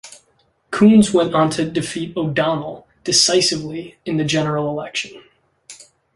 Coons went on to defeat O'Donnell decisively in the general election.